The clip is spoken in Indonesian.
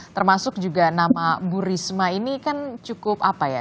termasuk juga nama bu risma ini kan cukup apa ya